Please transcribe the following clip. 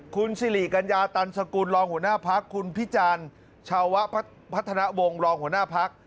คุณสิริกัญญาตันสกุลรองหัวหน้าพักคุณพิจารณ์ชาวพัฒนาวงศ์รองหัวหน้าพัก